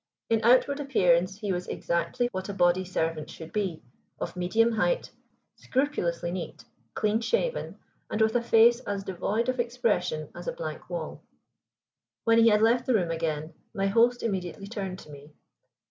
In outward appearance he was exactly what a body servant should be, of medium height, scrupulously neat, clean shaven, and with a face as devoid of expression as a blank wall. When he had left the room again my host immediately turned to me.